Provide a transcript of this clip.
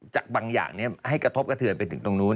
บางอย่างให้กระทบกระเทือนไปถึงตรงนู้น